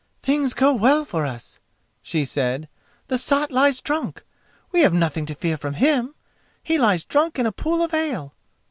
"Things go well for us," she said; "the sot lies drunk. We have nothing to fear from him. He lies drunk in a pool of ale."